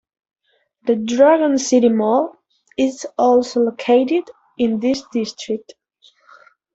The Dragon City Mall is also located in this district.